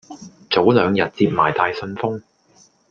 早兩日接埋大信封